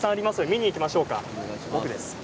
見に行きましょう。